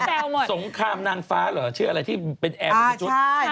ตอนนั้นสงครามนางฟ้าเหรอเชื่ออะไรที่เป็นแอร์มันที่จุด